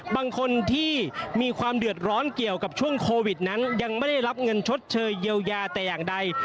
บางคนที่มีความเดือดร้อนเกี่ยวกับช่วงโควิดนั้นยังไม่ได้รับเงินชดเชยเยียวยาแต่อย่างใด